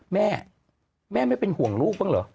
แม่แม่ไม่เป็นห่วงลูกบ้างเหรอ